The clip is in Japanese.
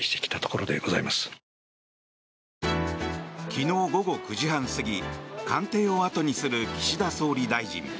昨日午後９時半過ぎ官邸を後にする岸田総理大臣。